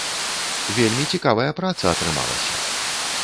Вельмі цікавая праца атрымалася.